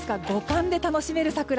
五感で楽しめる桜。